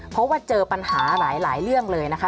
เพราะว่าเจอปัญหาหลายเรื่องเลยนะคะ